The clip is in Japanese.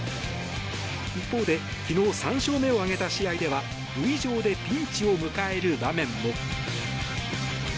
一方で昨日３勝目を挙げた試合では塁上で、ピンチを迎える場面も。